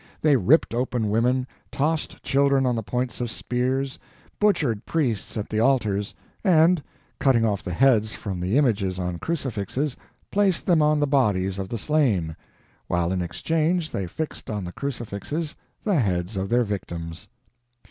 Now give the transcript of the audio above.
They ripped open women, tossed children on the points of spears, butchered priests at the altars, and, cutting off the heads from the images on crucifixes, placed them on the bodies of the slain, while in exchange they fixed on the crucifixes the heads of their victims.